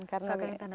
kaka yang tanda tangan